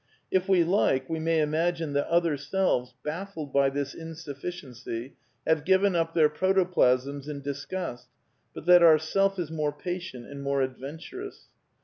(If we like, we may imagine that other selves, baffled by this in sufficiency, have given up their protoplasms in disgust, but that our self is more patient and more adventurous.)